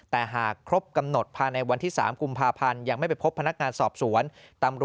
แต่หากครบกำหนดภายในวันที่๓กุมภาพันธ์ยังไม่ไปพบพนักงานสอบสวนตำรวจจะออกหมายจับนะครับ